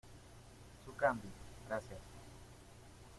Su cambio, gracias.